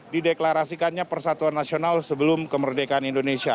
dideklarasikannya persatuan nasional sebelum kemerdekaan indonesia